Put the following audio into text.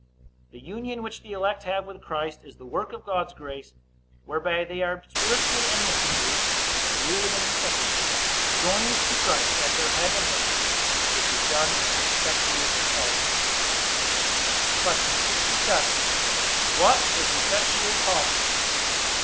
The union which the elect have with Christ is the work of God's grace, whereby they are spiritually and mystically, yet really and inseparably, joined to Christ as their head and husband; which is done in their effectual calling. Q. 67. What is effectual calling?